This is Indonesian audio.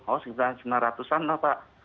oh sekitar sembilan ratus an lah pak